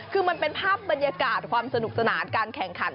คือมันเป็นภาพบรรยากาศความสนุกสนานการแข่งขัน